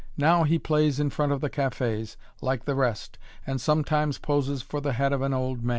Now he plays in front of the cafés, like the rest, and sometimes poses for the head of an old man!